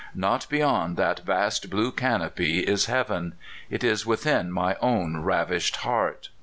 Not beyond that vast blue canopy is heaven ; it is within my own ravished heart!